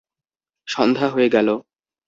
সন্ধ্যা হয়ে গেল।